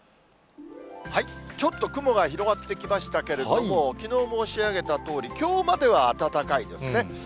ちょっと雲が広がってきましたけれども、きのう申し上げたとおり、きょうまでは暖かいですね。